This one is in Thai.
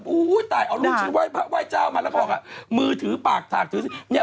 อุ้ยตายเอารุ่นชื่อไหว้เจ้ามาแล้วก็ออกอ่ะมือถือปากถากถือสิน